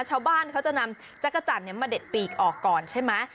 ชาวบ้านเขาจะนำจักรจันทร์มาเด็ดปีกออกก่อนใช่ไหม